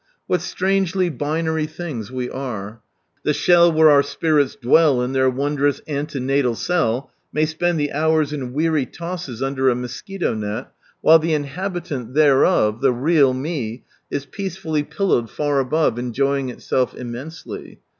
What strangely binary things we aie. " The shell where our spirits dwell in their wondrous ante naial cell "may spetid the hours in weary tosses under a mosquito net, while the inhabitant thereof, the real me, is peacefully pillowed far above enjoying itself immensely.